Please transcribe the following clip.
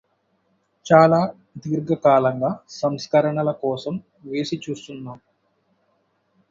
చాలా దీర్ఘకాలంగా సంస్కరణల కోసం వేచి చూస్తున్నాం